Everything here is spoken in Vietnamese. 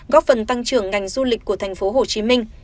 góp phần tăng trưởng ngành du lịch của tp hcm